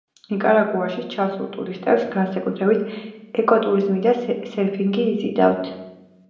ნიკარაგუაში ჩასულ ტურისტებს განსაკუთრებით ეკოტურიზმი და სერფინგი იზიდავთ.